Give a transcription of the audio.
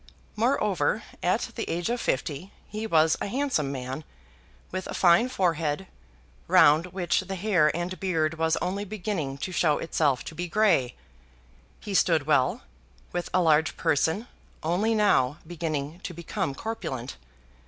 Moreover, at the age of fifty, he was a handsome man, with a fine forehead, round which the hair and beard was only beginning to show itself to be grey. He stood well, with a large person, only now beginning to become corpulent.